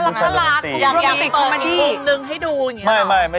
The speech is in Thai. ผู้ชายโรแมนติกนะคะ